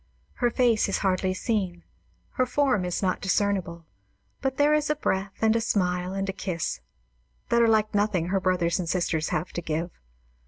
Her face is hardly seen; her form is not discernible; but there is a breath and a smile and a kiss, that are like nothing her brothers and sisters have to give.